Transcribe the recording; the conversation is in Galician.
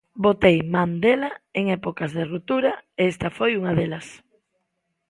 Botei man dela en épocas de ruptura, e esta foi unha delas.